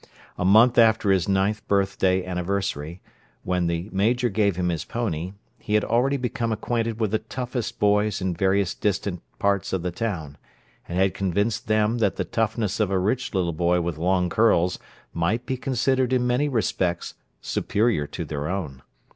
A month after his ninth birthday anniversary, when the Major gave him his pony, he had already become acquainted with the toughest boys in various distant parts of the town, and had convinced them that the toughness of a rich little boy with long curls might be considered in many respects superior to their own.